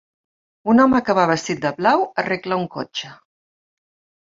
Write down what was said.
Un home que va vestit de blau arregla un cotxe.